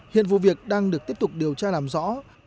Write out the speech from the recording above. hiện vụ việc đang được tiếp tục điều tra làm rõ